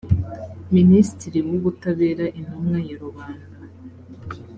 minisitiri w ubutabera intumwa ya rubanda